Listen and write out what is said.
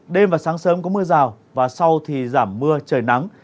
đêm và sáng sớm có mưa rào và sau thì giảm mưa trời nắng